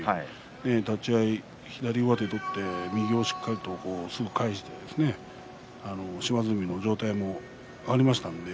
立ち合い、左上手を取って右をしっかりと返して島津海の上体が上がりました。